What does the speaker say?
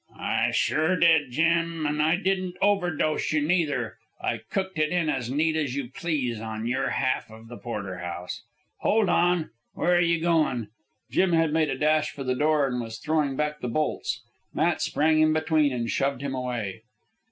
"I sure did, Jim; an' I didn't overdose you, neither. I cooked it in as neat as you please in your half the porterhouse. Hold on! Where're you goin'?" Jim had made a dash for the door, and was throwing back the bolts. Matt sprang in between and shoved him away.